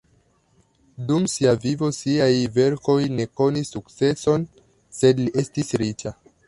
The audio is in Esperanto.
Dum sia vivo siaj verkoj ne konis sukceson sed li estis riĉa.